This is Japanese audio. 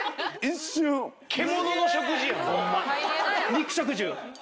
肉食獣。